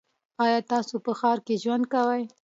ایا تاسو په ښار کې ژوند کوی؟